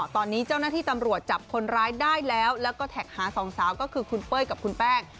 ตอนนี้เจ้าหน้าที่ตำรวจจับคนร้ายได้แล้วแล้วก็แท็กหาสองสาวก็คือคุณเป้ยกับคุณแป้ง